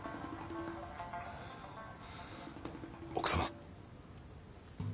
奥様。